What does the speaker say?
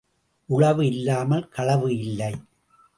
உளவு இல்லாமல் களவு இல்லை.